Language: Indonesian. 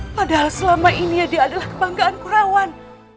padahal selama ini dia adalah kebanggaan kurawan